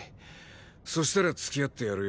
そしたら付き合ってやるよ。